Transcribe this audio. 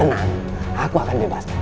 tenang aku akan bebas